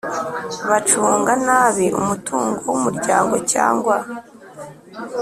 bacunga nabi umutungo w Umuryango cyangwa